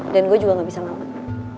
dan gue juga gak bisa malem